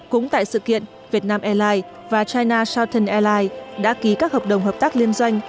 cũng tại sự kiện vietnam airlines và china southern airlines đã ký các hợp đồng hợp tác liên doanh